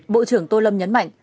bộ trưởng tô lâm nhấn mạnh